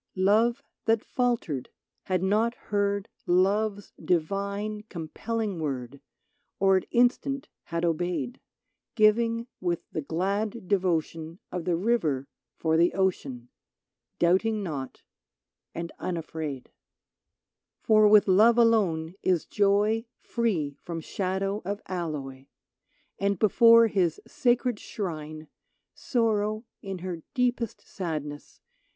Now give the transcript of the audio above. Love that faltered had not heard Love's divine, compelling word, Or it instant had obeyed ; Giving with the glad devotion Of the river for the ocean, — Doubting not, and unafraid. 96 LOVE THAT FALTERED For with Love alone is joy Free from shadow of alloy ; And before his sacred shrine, Sorrow, in her deepest sadness.